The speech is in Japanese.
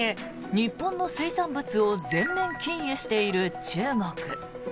日本の水産物を全面禁輸している中国。